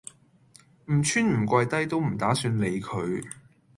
唔穿唔跪低都唔打算理佢